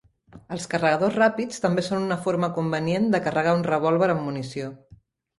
Els carregadors ràpids també són una forma convenient de carregar un revòlver amb munició.